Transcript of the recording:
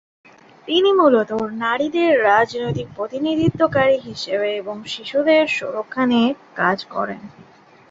তিনি মূলত নারীদের রাজনৈতিক প্রতিনিধিত্বকারী হিসেবে এবং শিশুদের সুরক্ষা নিয়ে কাজ করেন।